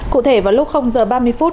cụ thể vào lúc giờ ba mươi phút